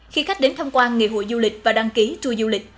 khi khách đến thăm quan ngày hội du lịch và đăng ký tour du lịch